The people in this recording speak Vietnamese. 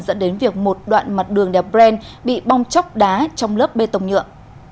dẫn đến việc một đoạn mặt đường đèo brand bị bong chóc đá trong lớp bê tổng nhựa